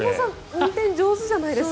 運転上手じゃないですか。